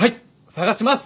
探します！